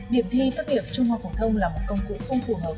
điểm thi tốt nghiệp trung học phổ thông là một công cụ không phù hợp